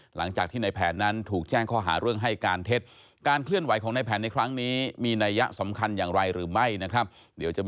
หลังจากที่ในแผนนั้นถูกแจ้งข้อหาเรื่องให้การเท็จ